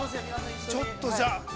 ちょっとじゃあ。